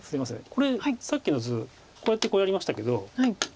これさっきの図こうやってこうやりましたけど。